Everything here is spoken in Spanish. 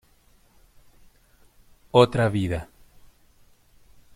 Otra vida